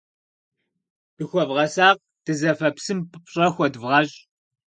Дыхуэвгъэсакъ, дызэфэ псым пщӀэ хуэдывгъэщӀ.